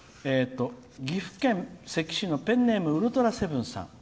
岐阜県関市のペンネーム、ウルトラセブンさん。